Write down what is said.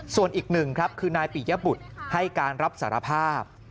ส่วนอีกหนึ่งครับคือนายปิยบุตรให้การรับสารภาพ